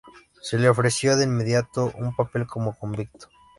Se le ofreció de inmediato un papel como convicto.